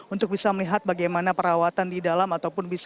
untuk bisa melihat bagaimana perawatan di dalam ataupun bisa